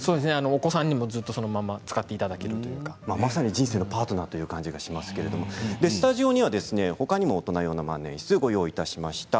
お子さんにもずっとそのまま使っていただけるまさに人生のパートナーという感じがしますけどスタジオにはほかにも大人用の万年筆、ご用意しました。